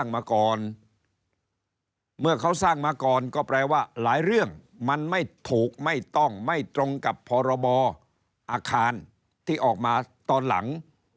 มาก่อนเมื่อเขาสร้างมาก่อนก็แปลว่าหลายเรื่องมันไม่ถูกไม่ต้องไม่ตรงกับพรบอาคารที่ออกมาตอนหลัง